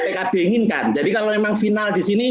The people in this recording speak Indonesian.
pkb inginkan jadi kalau memang final di sini